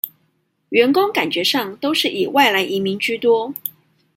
員工感覺上都是以外來移民居多